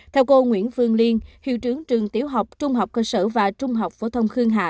theo cô nguyễn vương liên hiệu trưởng trường tiểu học trung học cơ sở và trung học phổ thông khương hạ